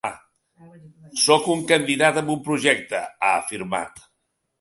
Sóc un candidat amb un projecte, ha afirmat.